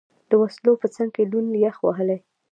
د وسلو په څنګ کې، لوند، یخ وهلی.